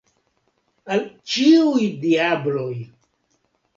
Al ĉiuj diabloj!